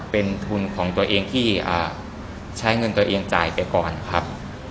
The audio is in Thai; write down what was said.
เป็นทุนของตัวเองที่ใช้เงินตัวเองจ่ายไปก่อนครับ